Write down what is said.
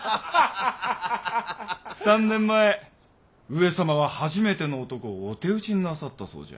３年前上様は初めての男をお手討ちになさったそうじゃ。